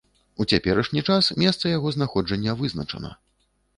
У цяперашні час месца яго знаходжання вызначана.